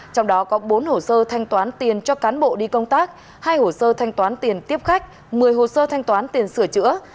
trong đó có bốn hồ sơ thanh toán tiền cho cán bộ đi công tác hai hồ sơ thanh toán tiền tiếp khách một mươi hồ sơ thanh toán tiền sửa chữa